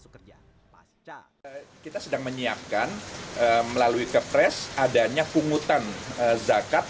bekerja kita sedang menyiapkan melalui kepres adanya pungutan zakat